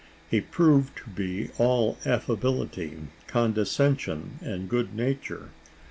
He proved to be all affability, condescension, and good nature.